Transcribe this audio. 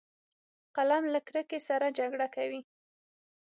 قلم له کرکې سره جګړه کوي